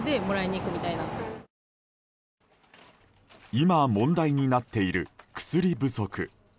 今、問題になっている薬不足。